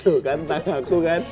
tuh kan tanganku kan